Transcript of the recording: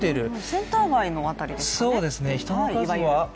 センター街の辺りですかね、いわゆる。